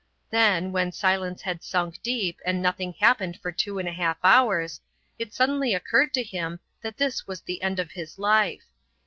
Then, when silence had sunk deep and nothing happened for two and a half hours, it suddenly occurred to him that this was the end of his life.